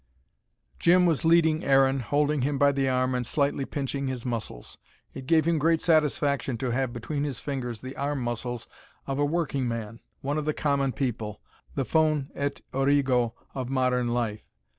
Jim was leading Aaron, holding him by the arm and slightly pinching his muscles. It gave him great satisfaction to have between his fingers the arm muscles of a working man, one of the common people, the fons et origo of modern life.